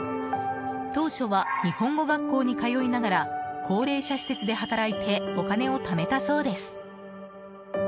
当初は、日本語学校に通いながら高齢者施設で働いてお金をためたそうです。